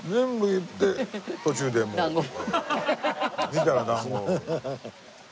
見たら団子を。